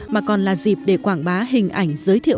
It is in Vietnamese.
mà còn là dịp để quảng bá hình ảnh giới thiệu